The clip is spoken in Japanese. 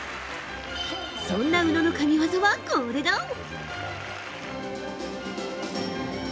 そんな宇野の神技は、これだ。